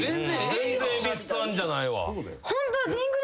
全然蛭子さんじゃないわ。